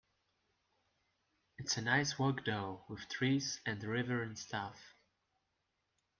It's a nice walk though, with trees and a river and stuff.